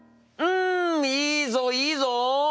うんいいぞいいぞ！